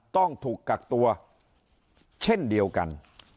ต้องถูกกักตัวเช่นเดียวกัน